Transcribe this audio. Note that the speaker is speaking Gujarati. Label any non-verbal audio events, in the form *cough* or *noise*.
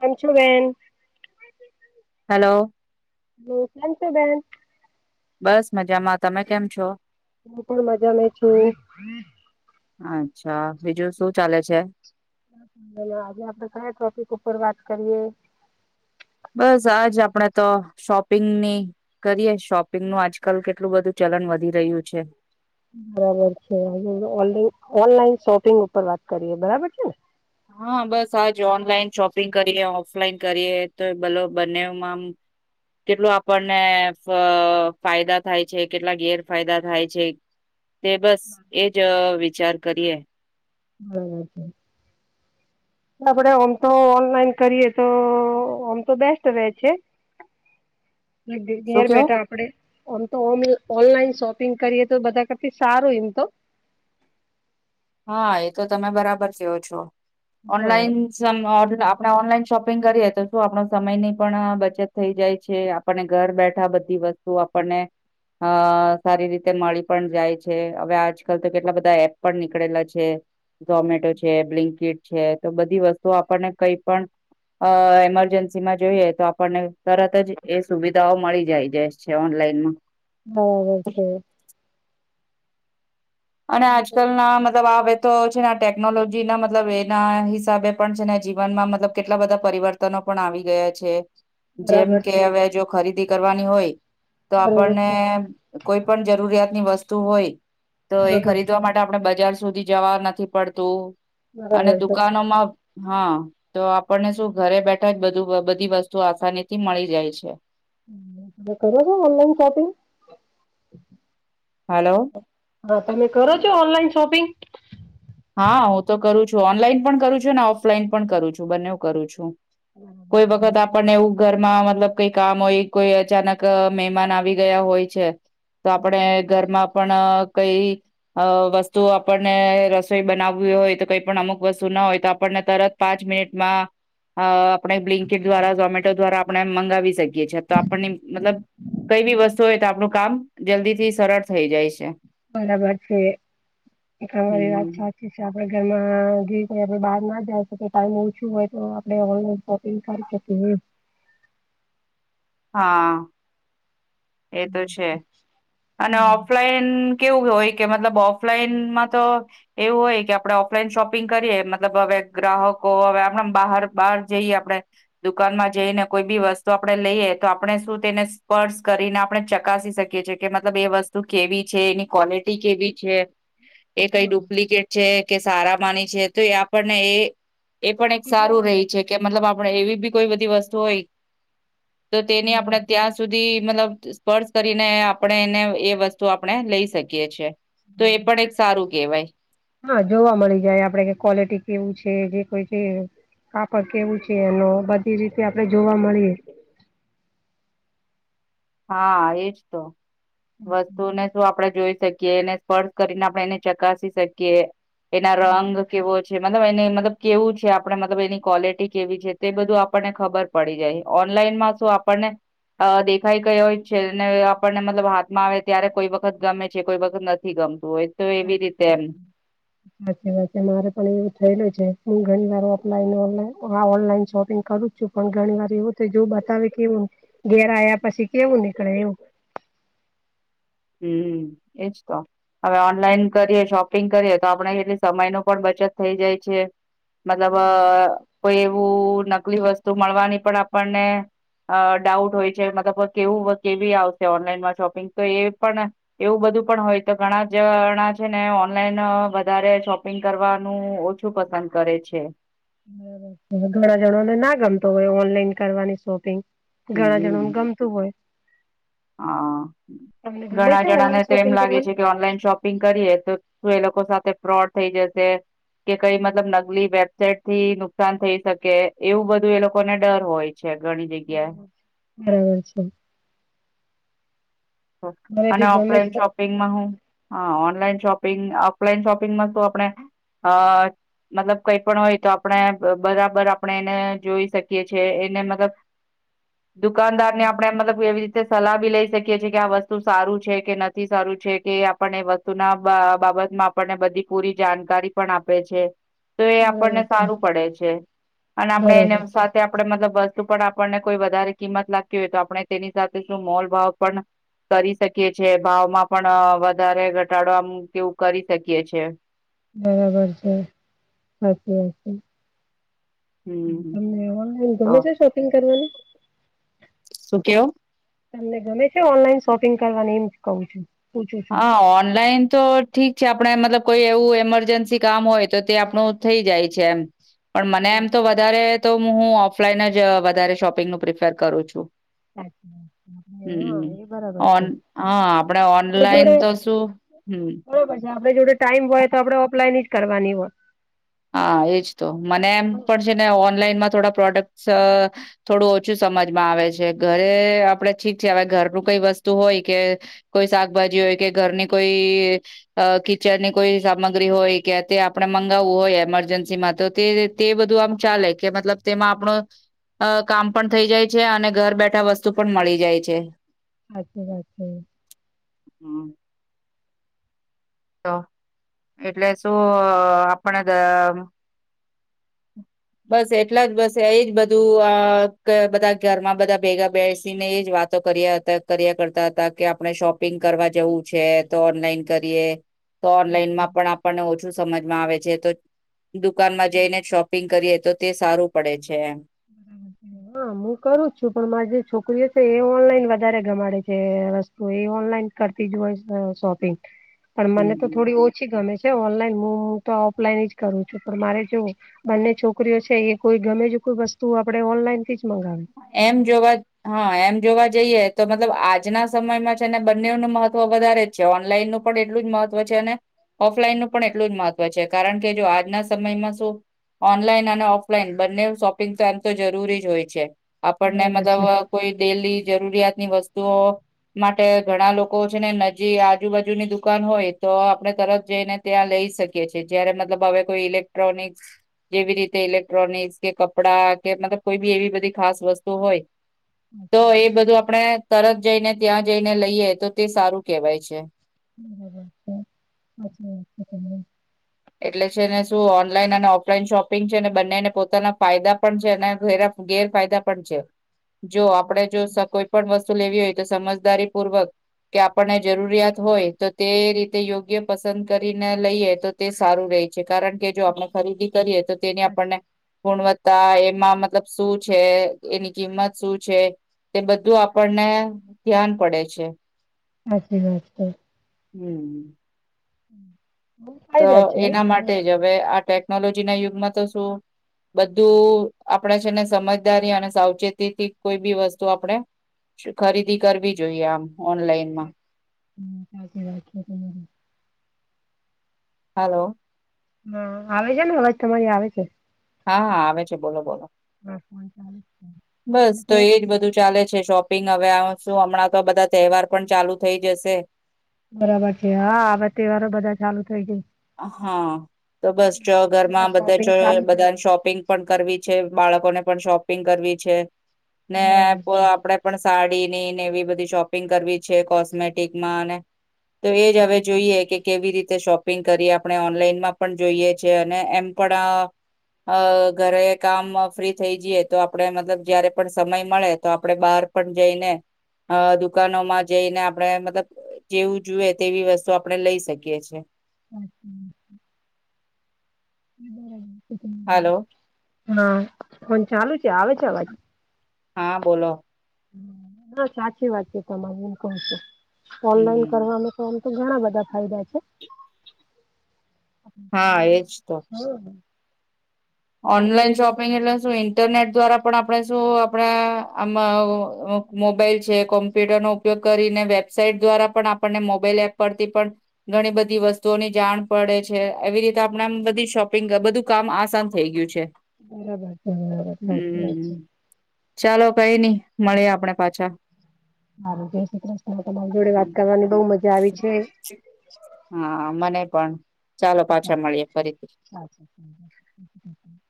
કેમ છો બેન. હલો. કેમ છો બેન. બસ મજામાં તમે કેમ છો. હું પણ મજા માં છું. અચ્છા બીજું શું ચાલે છે. બોલો આજે આપડે કયા ટોપિક ઉપર વાત કરીએ. બસ આજ આપણેે તો શોપિંગની કરીએ શોપિંગનું આજકાલ કેટલું બધું ચલન વધી રહુ છે. બરાબર છે, હ ઓનલા ઓનલાઈન શોપિંગ ઉપર વાત કરીએ બરાબર છે ને. હા બસ આજ ઓનલાઈન શોપિંગ કરીએ, ઓફલાઈન કરીએ. તો ભલો બંનેમાં કેટલું આપણને ફાયદા થાય છે. કેટલા ગેરફાયદા થાય છે. તે બસ એજ વિચાર કરીએ. *inaudible* આપડે ઓમ તો ઓનલાઈન કરીએ તો આમ તો બેસ્ટ રે છે. *inaudible* અ દે શું ઘર કેવો બૈઠા આપડે આમ તો ઓન ઓનલાઈન શોપિંગ કરીએ તો બધા કરથી સારું એમ તો. હા એ તો તમે બરાબર કેઓ છો હા ઓનલાઈન જેમ આ આપડા ઓનલાઈન શોપિંગ કરીએ તો શું આપણો સમય ની પણ અહ બચત થઈ જાય છે આપ પણને ઘર બેઠા બધી વસ્તુ આપણને અહ સારી રીતે મળી પણ જાય છે હવે આજકાલ તો કેટલા બધા એપ પણ ની પડેલા છે ઝોમેટો છે બ્લિંકીટ છે તો બધી વસ્તુઓ આપણને કઈ પણ અહ એમરજન્સી માં જોઈએ તો આપણને તરત જ એ સુવિધાઓ મળી જાય જે છે ઓનલાઈન માં. બરોબર. અને આજકાલ ના મતલબ આવે તો છે ને આ ટેકનોલોજીના મતલબ એના હિસાબે પણ છે ને જીવનમાં મતલબ કેટલા બધા પરિવર તનો પણ આવી ગયા છે. જેમ બરાબર કે છે. હવે જો ખરીદી કરવાની હોય તો બરાબર આપણને છે. કોઈ પણ જરૂરિયાતની વસ્તુ હોય તો એ બરાબર ખરીદવા છે. માટે આપડે બજાર સુધી જવા નથી પડતું અને બરાબર છે. દુકાનોમાં હા તો આપણને શું ઘરે બેઠા જ બધું બધી વસ્તુ આસાની થી મળી જાય છે. *unintelligible* કરો છો ઓનલાઈન શોપિંગ? હાલો. હા તમે કરો છો ઓનલાઈન શોપિંગ? હા હું તો કરું છુ ઓનલાઈન પણ કરું છુ ને ઓફલાઈન પણ કરું છુ બંનેઓ કરું છું. કોઈ વખત આપણને એવું ઘરમાં મતલબ કઈ કામ હોય કોઈ અચાનક અહ મહેમાન આવી ગયા હોય છે તો આપડે ઘરમાં પણ અહ કઈ અહ વસ્તુ આપણને રસ કઈ બનાવવુ હોય તો કઈ પણ અમુક વસ્તુ ના હોય તો આપણને તરત પાંચ મિનિટમાં અહ આપણે બ્લિંકીટ દ્વારા ઝોમેટો દ્વારા આપણે મંગાવી શકીએ છીએ તો આપણને મતલબ કઈ બી વસ્તુ હોય તો આપણું કામ જલ્દી થી સરળ થઈ જાય છે. બરાબર છે હા એ વાત હમ સા એ છે આપડે ઘરમાં જે આપડે બહાર ના જાય શકીએ ટાઈમ ઓછું હોય તો આપડે ઓનલાઈન શો ફિર શકેએ. હા. એ તો છે અને ઓફ લાઈન કેવું હોય કે મતલબ ઓફલાઈનમાં તો એવું હોય કે આપડે ઓફલાઈન શોપિંગ કરીએ મતલબ હવે ગ્રાહકો હવે આહમ આમ બહાર બહાર જઈએ આપણે દુકાનમાં જઈને કોઈ બી વસ્તુ આપડે લઈએ તો આપણે શું તેને સ્પર્શ કરીને આપણે ચકાસી શકીએ છીએ કે મતલબ એ વસ્તુ કેવી છે એની ક્વોલિટી કેવી છે. એ કઈ હા ડુપ્લિકેટ છે કે સારા માની છે તો એ આપણને એ એ પણ એક સારું રહી છે કે મતલબ આપણે એવી બી કોઈ બધી વસ્તુ હોય તો તેની મળે. આપડે ત્યાં સૂધી મતલબ સ્પર્શ કરીને આપણે એને એ વસ્તુ આપણે લઈ શકીએ છીએ. તો એ પણ એક સારું કેહેવાય. હા જોવા મળી જાય આપડે કે ક્વોલિટી કેવી છે જે કોઈ છે કાપડ કેવું છે અને બધી રીતે આપડે જોવા મલીએ. હા, એજ તો વસ્તુને આપણે જોઈ શકીએ, એને સ્પર્શ કરીને આપણે એને ચકાસી શકીએ. એના રંગ કેવો છે. મતલબ એને મતલબ કેવું છે આપણે મતલબ એની ક્વોલિટી કેવી છે તે બધું આપણને ખબર પડી જાય. ઓનલાઈનમાં શું આપણને દેખ્ થઈ ગઈ હોય છે. ને આપણને મતલબ હાથમાં આવે ત્યારે કોઈ વખત ગમે છે કોઈ વખત નથી ગમતું હોય. તો એવી સાચી રીતે વાત. એમ. સાચી વાત મારે પણ એવું થયેલું છે. હું ઘણી વાર ઓફલાઈન ઓ આ ઓનલાઈન શોપિંગ કરું. પણ ઘણી વાર એવું થઈ જાય તો જો બતાવે કેવું ઘેર આવ્યા પછી કેવું નીકળે એવું. હમ્મ, એજ તો. હવે ઓનલાઈન કરીએ શોપ આયથીન્ગ કરે એ તો આપણે એટલે સમય નો પણ બચત થઈ જાય છે. મતલબ અ કોઈ એવું નકલી વસ્તુ મળવાની પણ આપણને અ ડાઉટ હોય છે. મતલબ કેવું કેવી આવશે? ઓનલાઈનમાં શોપિંગ તો એ પણ એવું બધું પણ હોય તો ઘણા જણા છે ને ઓનલાઈન વધારે શોપિંગ કરવાનું ઓછું શું પસંદ કરે છે. ઘણા જણા ને ના ગમતો હોય ઓનલાઈન કરવાની શોપિંગ. ઘણા હમ જણને ગમતી હોય. તુ હોય. હા. તમને ગમે ઘણા છે જણા ને ઓનલાઈન તો એમ શોપિંગ લાગે કરવાનું છે, કે ઓનલાઈન શોપિંગ કરીએ, તો શું એ લોકો સાથે ફ્રોડ થઈ જશે? કે કઈક મતલબ નકલી વેબસાઇટ થી નુકસાન થઈ શકે, એવું બધું એ લોકોને ડર હોય. છે. ઘણી જગ્ બરાબર. બરાબર છે. હ મને અને બી આપડે ગમે એન શો છે શોપિંગ માં હું હા ઓનલાઇન શોપિંગ ઓફલાઈન શોપિંગ આપણે હ મતલબ કઈ પણ હોય તો આપણે બરાબર આપણે એને જોઈ શકીએ છે. એને મતલબ દુકાનદાર ને બરાબર આપણે મતલબ એવી રીતે સલાહ બી લઈ શકીએ છીએ. કે આ વસ્તુ સારું છે કે નથી સારું છે કે આપને એ વસ્તુ ના બાબતમાં આપણને બધી પૂરી જાણકારી પણ આપે છે. તો એ આપણને બરાબર છે સારું પડે છે. અને આપણેે એને બરાબર છે સાથે આપણે મતલબ વસ્તુ પણ આપણને કોઈ વધારે કિંમત લાગ હોય તો આપણે તેની સાથે શું મોલ ભાવ પણ કરી શકીએ છે. ભાવમાં પણ વધારે ઘટાડો આમ કેવું કરી શકીએ છે. બરાબર છે. સાચી વાત છે. હમ્મ તમને ઓનલાઈન તો ગમે છે શોપિંગ કરવાનુ? શું કેવ? તમને ગમે છે ઓનલાઈન શોપિંગ કરવાની એમ કઉ છું! પૂછું છું. હા, ઓનલાઇન તો ઠીક છે આપણે મતલબ કોઈ એવું ઈમરજન્સી કામ હોય તો તે આપણું થઈ જાય છે એમ. પણ મને એમ તો બરાબર વધારે તો હું ઓફલાઈન જ વધારે શોપિંગનું પ્રિફર કરું છું. હા હમ્મ. એ બરાબર છે. આપડે જોડે ઓફલાઇન તો શું હમ. બરોબર છે. આપડે જોડે ટાઈમ હોય તો આપડણે ઓફલાઈન જ કરવાની હોય. હા એજ તો. મને એમ પણ છે ને ઓનલાઈનમાં થોડા પ્રોડક્ટસ થોડું ઓછું સમજમાં આવે છે ઘરે આપડ ઠીક છે. હવે ઘરનું કઈ વસ્તુ હોય કે કોઈ શાકભાજી હોય કે ઘરની કોઈ અ કિચન ની કોઈ સામગ્રી હોય કે તે આપડણે મંગાવવું હોય. એમરજન્સી માં તો તે તે બધું આમ ચાલે કે મતલબ તેમાં આપણો અ કામ પણ થઈ જાય છે. અને ઘર બેઠા વસ્તુ પણ મળી જાય છે. સાચી વાત છે. હમ્મ. તો, એટલે શું આપણે તો આમ બસ એટલા જ બસ એજ બધું આ બધા ઘરમાં બધા ભેગા બેસીને એજ વાતો કર્યા ત કર્યા કરતા હતા, કે આપણે શોપિંગ કરવા જવું છે, તો ઓનલાઈન કરીએ. તો ઓનલાઈનમાં પણ આપણને ઓછું સમજમાં આવે છે, તો દુકાનમાં જઈને શોપિંગ કરીએ તો તે સારું પડે છે એમ. *inaudible* હા. હું કરું જ છું. પણ મારી જે છોકરીઓ છે, એ ઓનલાઈન વધારે ગમાડે છે. અહ વસ તો એ ઓનલાઈન કરતી જ હોઈશ અહ શોપિંગ. *inaudible* પણ મને તો હમ. થોડી ઓછી ગમે છે ઓનલાઈન. હું તો ઓફલાઈન હી જ કરું છું. પણ મારે કેવું બંને છોકરીઓ છે, એ કોઈ ગમે જે કોઈ વસ્તુ આપણે ઓનલાઈનથી જ મંગાવે. એમ જોવા હા. એમ જોવા જઈએ તો મતલબ આજના સમયમાં છે ને બંનેવ નો મહત્વ વધારે છે. ઓનલાઈન નું પણ એટલું જ મહત્વ છે, અને ઓફલાઈનનું પણ એટલું જ મહત્વ છે. કારણ કે જો આજના સમયમાં શું ઓનલાઈન અને ઓફલાઈન બંનેવ શોપિંગ તો એમ તો જરૂરી જ હોય છે. આપણને બરાબર મતલબ છે. અહ કોઈ ડેઈલી જરૂરિયાત ની વસ્તુઓ માટે ઘણા લોકો છે, ને નજી આજુ-બાજુની દુકાન હોય, તો આપણે તરત જઈને ત્યાં લઈ શકીએ છીએ. જયારે મતલબ હવે કોઈ ઇલેક્ટ્રોનિક્સ જેવી રીતે ઇલેક્ટ્રોનિક્સ, કે કપડાં, કે મતલબ કોઈ બી એવી બધી ખાસ વસ્ત તું હોય, તો હમ એ બધું આપણે તરત જઈને ત્યાં જઈને લઈએ તો તે સારું કહેવાય છે. *inaudible* એટલે છે ને, શું ઓનલાઈન અને ઓફલાઈન શોપિંગ છે. ને બંનેને પોતાના ફાયદા પણ છે. અને *unintelligible* ગેરફાયદા પણ છે. જો આપણે જો સ કોઈ પણ વસ્તુ લેવી હોય, તો સમજદારી પૂર્વક કે આપણને જરૂરિયાત હોય તો તે રીતે યોગ્ય પસંદ કરીને લઈએ તો તે સારું રહે છે. કારણ કે જો આપણે સાચી વાત ખરીદી છે કરીએ તો તેને આપણને સાચી ગુણવત્તા એમાં મતલબ શું છે, એની કિંમત શું છે તે બધું સાચી આપણને ધ્યાન પડે છે. હાચી વાત *unintelligible* હમ્મ. ફાયદા છે. એના માટે જ હવે આ ટેકનોલોજીના યુગમાં તો શું બધું આપણે છે ને સમજદારી અને સાવચેતી થી કોઈ બી વસ્તુ આપણે ખરીદી કરવી જોઈએ આમ ઓનલાઈન. સાચ, હમ્મ સાચી વાત છે તમારી. હાલો. હા. આવે છે ને અવાજ તમારી આવે છે. હા-હા આવે છે, બોલો-બોલો. *inaudible* બસ. તો એજ બધું ચાલે છે શોપ પિંગ, હવે આવશું હમણાં તો બધા તહેવાર પણ ચાલુ થઈ જશે. બરાબર છે હા આ અવે તહેવારો બધા ચાલુ થઈ જાય. હા તો બસ ચ એટલે ઘરમાં આ બધા શોપિંગ ચ ચાલુ થઈ બધાને ગઈ શોપિંગ પણ કરવી છે. બાળકોને પણ શોપિંગ કરવી છે. ને બરાબર છે. આપણે પણ સાડીની ને એવી બધી શોપિંગ કરવી છે. કોસ્મેટિક માં અને તો એજ અવે સાચી વાત જોઈએ છે સાચી કે કેવી રીતે શોપ પિંગ કરી આપણે ઓનલાઈનમાં પણ જોઈએ છીએ અને એમ પણ આ અ ઘરે કામ ફ્રી થઈ જઈએ તો આપણે મતલબ જયારે પણ સમય મળે તો આપડે બહાર પણ જઈને દુકાનોમાં જઈને આપણેે મતલબ અ જેવું જુએ તેવી વસ્તુ આપણે લઈ શકીએ છીએ. સાચી વાત છે. આ બરાબર છે. તમારી હાલો. હા ફોન ચાલુ છે. આવે છે અવાજ હા બોલો. હ સાચી વાત છે તમારી એમ ક છું. ઓનલાઈન હમ કરવાનું તો આમ તો ઘણા બધા ફાયદા છે. હા એજ તો. હા. ઓનલાઈન શોપિંગ એટલે શું ઇન્ટરનેટ દ્વારા પણ આપણે શું આપણા આમાં મોબાઈલ છે કોમ્પ્યુટરનો ઉપયોગ કરીને વેબસાાઈટ દ્વારા પણ આપણને મોબાઈલ એપ પરથી પણ ઘણી બધી વસ્તુઓની જાણ પડે છે એવી રીતે આપણે આમ બધી શોપિંગ બધું કામ આસાન થઈ ગયું છે. બરાબર છે. બરાબર સાચી વાત છે. હમ ચાલો કઈ નઈ મળી આપણે પાછા. સારું જય શ્રી કૃષ્ણ. તમારી જોડે વાત કરવાની બવ મજા આવી છે. હા મને પણ. ચાલો પાછા મળીએ ફરીથી. હમ *inaudible*